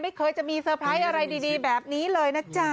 ไม่เคยจะมีเซอร์ไพรส์อะไรดีแบบนี้เลยนะจ๊ะ